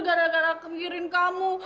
gara gara aku mengirim kamu